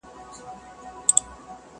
زه غښتلی یم له مځکي تر اسمانه،